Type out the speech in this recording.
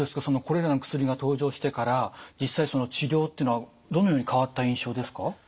そのこれらの薬が登場してから実際その治療っていうのはどのように変わった印象ですか？